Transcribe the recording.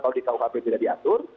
kalau di kuhp tidak diatur